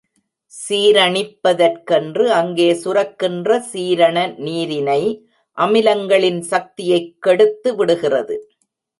சீரணிப்பதற்கென்று அங்கே சுரக்கின்ற சீரண நீரினை, அமிலங்களின் சக்தியைக் கெடுத்து விடுகிறது.